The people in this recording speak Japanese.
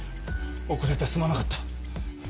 遅れてすまなかった。